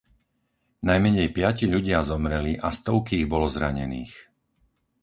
Najmenej piati ľudia zomreli a stovky ich bolo zranených.